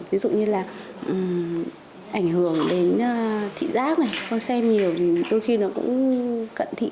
ví dụ như là ảnh hưởng đến thị giác này con xem nhiều thì đôi khi nó cũng cận thị